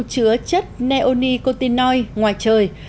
chứa chất neonicotinoid ngoài trời